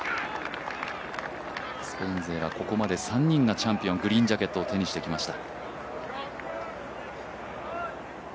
スペイン勢はここまで３人がチャンピオン、グリーンジャケットを手にしてきました。